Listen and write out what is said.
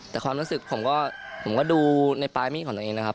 แต่ความรู้สึกผมก็ผมก็ดูในปลายมีดของตัวเองนะครับ